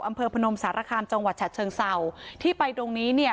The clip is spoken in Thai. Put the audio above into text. พนมสารคามจังหวัดฉะเชิงเศร้าที่ไปตรงนี้เนี่ย